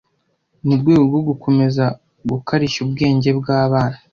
mu rwego rwo gukomeza gukarishya ubwenge bw’abana.